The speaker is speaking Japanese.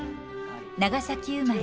長崎生まれ。